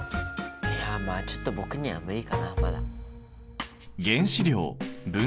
いやまあちょっと僕には無理かなまだ。